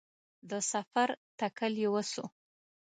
د سفر تکل یې وسو